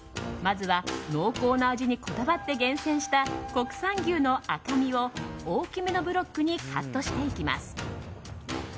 まずは濃厚な味にこだわって厳選した国産牛の赤身を大きめのブロックにカットしていきます。